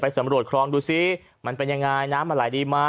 ไปสำรวจคล้องดูซิมันเป็นยังไงนะ